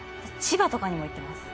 千葉とかにも行ってます。